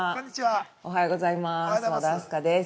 おはようございまーす。